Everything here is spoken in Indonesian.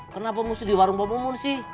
kenapa mesti di warung bambungun sih